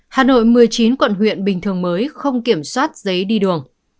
hà nội một mươi chín quận huyện bình thường mới không kiểm soát giấy đi đường